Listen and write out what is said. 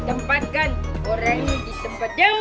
saatnya om jin kerjain